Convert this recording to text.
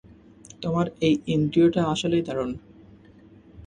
তোমার এই ইন্দ্রিয়টা আসলেই দারুণ।